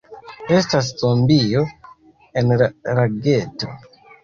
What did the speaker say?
Estas zombio en la lageto.